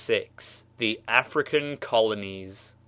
THE AFRICAN COLONIES.